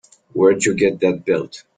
Where'd you get that belt?